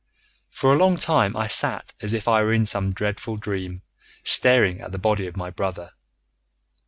"For a long time I sat as if I were in some dreadful dream, staring at the body of my brother.